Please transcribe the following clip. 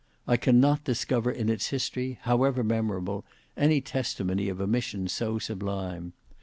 I cannot discover in its history however memorable any testimony of a mission so sublime.